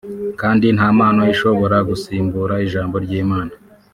kandi nta mpano ishobora gusimbura Ijambo ry’Imana